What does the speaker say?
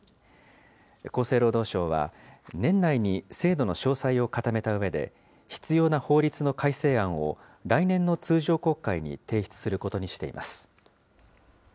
厚生労働省は、年内に制度の詳細を固めたうえで、必要な法律の改正案を来年の通常国会に提出することにしています。